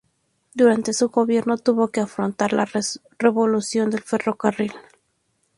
Durante su gobierno tuvo que afrontar la ""Revolución del Ferrocarril"".